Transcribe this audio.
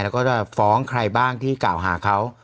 แล้วก็จะฟ้องใครบ้างที่กล่าวหาเขา